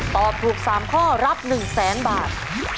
ตอบถูก๓ข้อรับ๑๐๐๐๐๐บาท